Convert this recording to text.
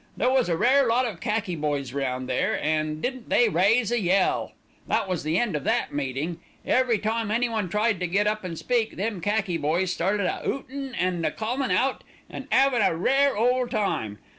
There was a rare lot of khaki boys round there, and didn't they raise a yell. That was the end of that meeting. Every time anyone tried to get up an' speak, them khaki boys started a 'ootin' and a callin' out, and 'avin' of a rare ole time.